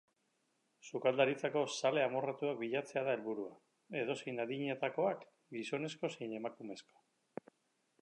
Sukaldaritzako zale amorratuak bilatzea da helburua, edozein adinetakoak, gizonezko zein emakumezko.